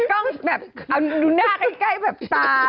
ต้องดูหน้าใกล้ตาทราย